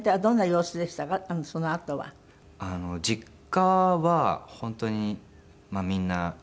実家は本当にみんな。